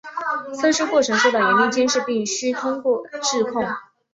测试过程受到严密监视并须通过质控。